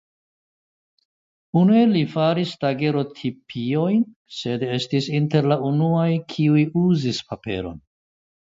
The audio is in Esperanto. Unue li faris dagerotipiojn sed estis inter la unuaj kiuj uzis paperon.